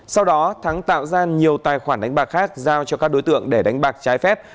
sau đó thắng tạo ra nhiều tài khoản đánh bạc khác giao cho các đối tượng để đánh bạc trái phép